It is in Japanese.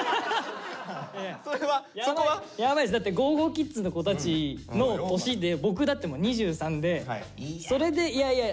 ｋｉｄｓの子たちの年で僕だってもう２３でそれでいやいや。